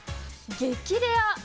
激レア！